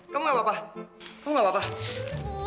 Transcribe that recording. kamu gak apa apa kamu gak apa apa